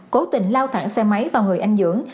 cố tình lao thẳng xe máy vào người anh dưỡng